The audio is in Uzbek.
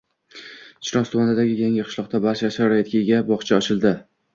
Chinoz tumanidagi yangi qishloqda barcha sharoitga ega bog‘cha ochildi